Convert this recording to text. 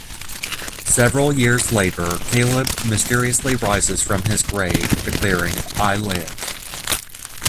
Several years later, Caleb mysteriously rises from his grave, declaring, I live...